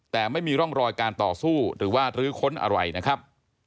แต่ไม่มีร่องรอยการต่อสู้หรือว่ารื้อค้นอะไรนะครับ